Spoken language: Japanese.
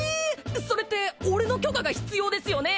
それって俺の許可が必要ですよね？